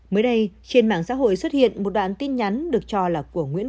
mới đây trên mạng xã hội xuất hiện một đoạn tin nhắn được cho là của nguyễn